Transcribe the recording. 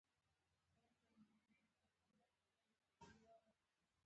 پر ما تور مه لګوه؛ خپل بار به دروند کړې.